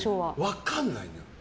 分かんないのよ。